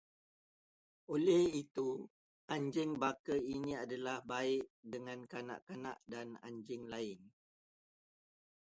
Oleh itu, anjing baka ini adalah baik dengan kanak-kanak dan anjing lain